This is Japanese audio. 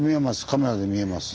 カメラで見えます。